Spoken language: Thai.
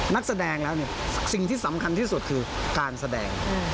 นักแสดงแล้วเนี่ยสิ่งที่สำคัญที่สุดคือการแสดง